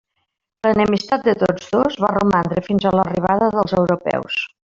L'enemistat de tots dos va romandre fins a l'arribada dels europeus.